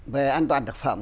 về an toàn thực phẩm